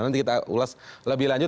nanti kita ulas lebih lanjut